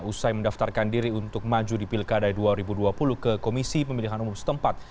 usai mendaftarkan diri untuk maju di pilkada dua ribu dua puluh ke komisi pemilihan umum setempat